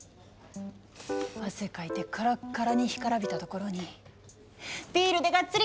汗かいてカラッカラに干からびたところにビールでガッツリ